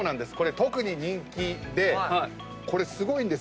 特に人気でこれすごいんです。